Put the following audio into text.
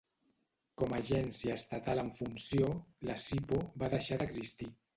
Com agència estatal en funció, la SiPo va deixar d'existir.